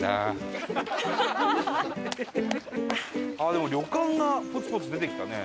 でも旅館がポツポツ出てきたね。